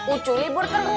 ucuy libur terus